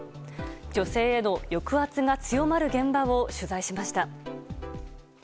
女性への抑圧が強まる現場を取材しました。